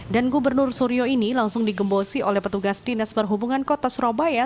dan gubernur suryo ini langsung digembosi oleh petugas dinas perhubungan kota surabaya